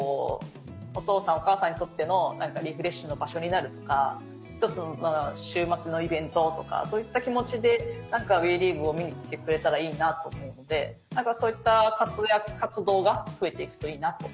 お父さんお母さんにとってのリフレッシュの場所になるとか１つの週末のイベントとかそういった気持ちでＷＥリーグを見に来てくれたらいいなと思うのでそういった活動が増えて行くといいなと。